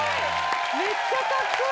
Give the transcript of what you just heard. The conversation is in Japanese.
めっちゃかっこいい。